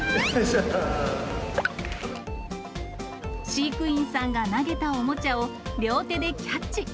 飼育員さんが投げたおもちゃを両手でキャッチ。